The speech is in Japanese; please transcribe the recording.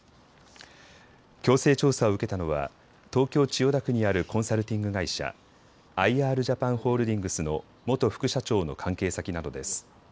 強制調査を受けたのは東京千代田区にあるコンサルティング会社、アイ・アールジャパンホールディングスの元副社長の関係先などです。